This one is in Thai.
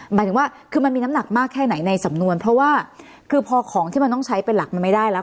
หมายถึงว่าคือมันมีน้ำหนักมากแค่ไหนในสำนวนเพราะว่าคือพอของที่มันต้องใช้เป็นหลักมันไม่ได้แล้ว